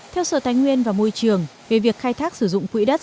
theo sở tài nguyên và môi trường về việc khai thác sử dụng quỹ đất